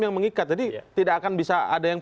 yang mengikat jadi tidak akan bisa ada yang